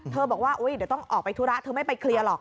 บอกว่าเดี๋ยวต้องออกไปธุระเธอไม่ไปเคลียร์หรอก